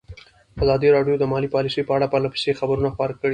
ازادي راډیو د مالي پالیسي په اړه پرله پسې خبرونه خپاره کړي.